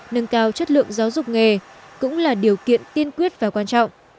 nâng cao chất lượng giáo dục nghề cũng là điều kiện tiên quyết và quan trọng